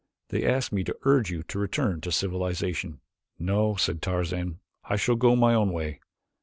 They asked me to urge you to return to civilization." "No;" said Tarzan, "I shall go my own way.